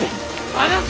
離せ！